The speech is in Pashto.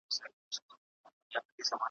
غلیم د خاوري او د وطن دی `